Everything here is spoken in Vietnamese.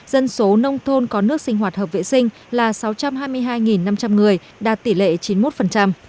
dân số nông thôn có nước sinh hoạt hợp vệ sinh là sáu trăm hai mươi hai năm trăm linh người đạt tỷ lệ chín mươi một